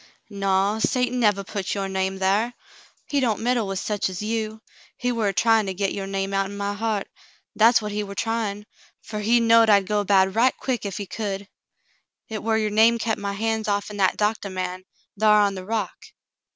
"Naw ! Satan nevah put your name thar. He don't meddle with sech as you. He war a tryin' to get your name out'n my heart, that's what he war tryin', fer he knowed I'd go bad right quick ef he could. Hit war your name kep' my hands off'n that doctah man thar on the rock.